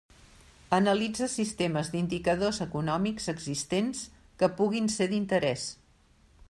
Analitza sistemes d'indicadors econòmics existents que puguin ser d'interès.